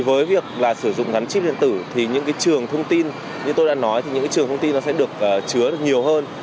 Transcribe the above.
với việc sử dụng chip điện tử thì những trường thông tin sẽ được chứa nhiều hơn